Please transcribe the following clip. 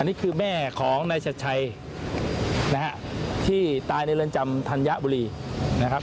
นี่คือแม่ของนายชัดชัยนะฮะที่ตายในเรือนจำธัญบุรีนะครับ